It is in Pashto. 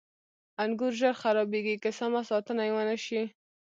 • انګور ژر خرابېږي که سمه ساتنه یې ونه شي.